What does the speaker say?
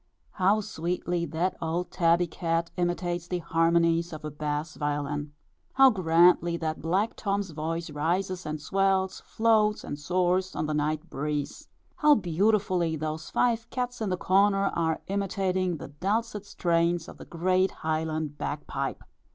How sweetly that old tabby cat imitates the harmonies of a bass violin! How grandly that black Tom's voice rises and swells, floats and soars, on the night breeze! How beautifully those five cats in the corner, are imitating the dulcet strains of the great highland bag pipe!